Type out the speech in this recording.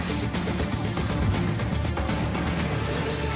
สวัสดีครับ